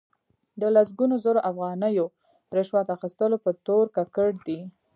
د لسګونو زرو افغانیو رشوت اخستلو په تور ککړ دي.